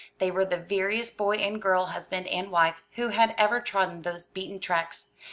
They were the veriest boy and girl husband and wife who had ever trodden those beaten tracks.